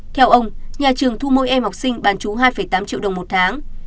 theo ông nhà trường thu mỗi em học sinh bàn trú hai tám triệu đồng một tháng